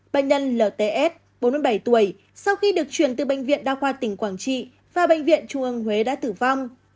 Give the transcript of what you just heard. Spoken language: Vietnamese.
bệnh nhân lts bốn mươi bảy tuổi sau khi được chuyển từ bệnh viện đa khoa tỉnh quảng trị và bệnh viện trung ương huế đã tử vong